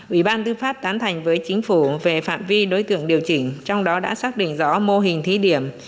ủy ban tư pháp tán thành với chính phủ về phạm vi đối tượng điều chỉnh trong đó đã xác định rõ mô hình thí điểm